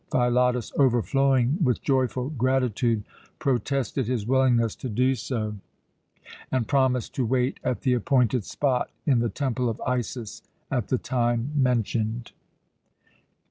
Philotas, overflowing with joyful gratitude, protested his willingness to do so, and promised to wait at the appointed spot in the Temple of Isis at the time mentioned.